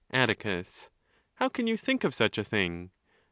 , Atticus.—How can you think of such a thing